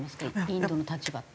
インドの立場って。